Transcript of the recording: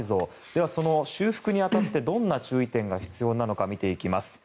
では、修復に当たってどんな注意点が必要か見ていきます。